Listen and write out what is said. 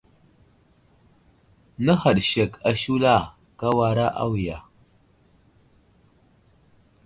Nə̀haɗ sek a shula ,ka wara awiya.